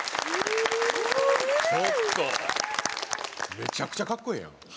めちゃくちゃかっこええやん！